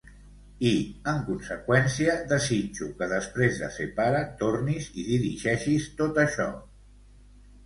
I, en conseqüència, desitjo que després de ser pare, tornis i dirigeixis tot això.